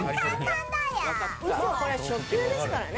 これ、初級ですからね。